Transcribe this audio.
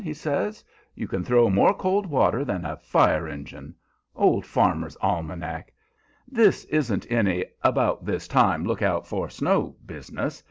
he says. "You can throw more cold water than a fire engine. Old Farmer's Almanac! This isn't any 'About this time look out for snow' business.